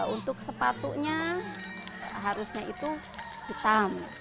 untuk sepatunya harusnya itu hitam